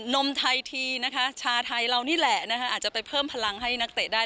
นมไทยทีนะคะชาไทยเรานี่แหละนะคะอาจจะไปเพิ่มพลังให้นักเตะได้